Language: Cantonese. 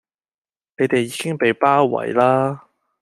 你地已經被包圍啦